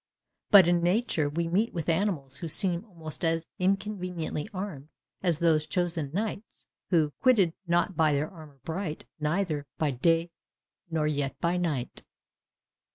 But in nature we meet with animals which seem almost as inconveniently armed as those chosen knights, who ... quitted not their armour bright, Neither by day nor yet by night.